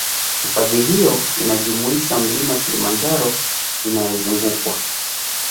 Hifadhi hiyo inajumuisha Mlima Kilimanjaro inayozungukwa